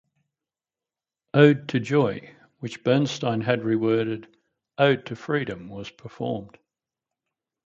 "Ode to Joy", which Bernstein had reworded "Ode to Freedom", was performed.